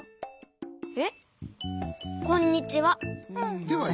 えっ？こんにちは。